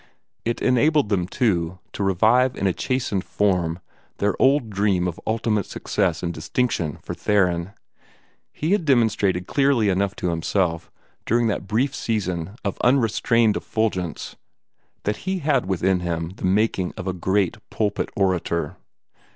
It enabled them, too, to revive in a chastened form their old dream of ultimate success and distinction for Theron. He had demonstrated clearly enough to himself, during that brief season of unrestrained effulgence, that he had within him the making of a great pulpit orator.